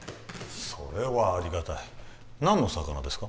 それはありがたい何の魚ですか？